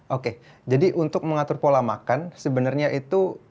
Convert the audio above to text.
oke jadi untuk mengatur pola makan sebenarnya itu